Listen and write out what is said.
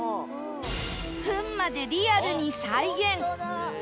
フンまでリアルに再現